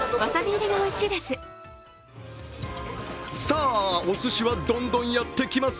さあ、おすしはどんどんやってきます。